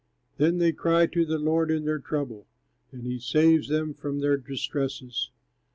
Then they cry to the Lord in their trouble, And he saves them from their distresses.